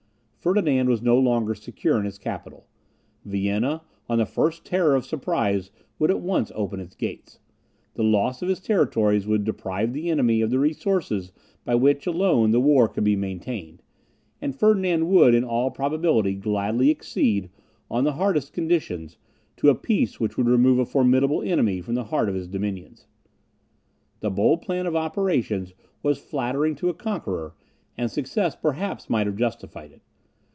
Ferdinand was no longer secure in his capital: Vienna, on the first terror of surprise, would at once open its gates. The loss of his territories would deprive the enemy of the resources by which alone the war could be maintained; and Ferdinand would, in all probability, gladly accede, on the hardest conditions, to a peace which would remove a formidable enemy from the heart of his dominions. This bold plan of operations was flattering to a conqueror, and success perhaps might have justified it.